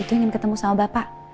itu ingin ketemu sama bapak